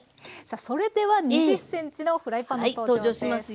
さあそれでは２０ｃｍのフライパンの登場です。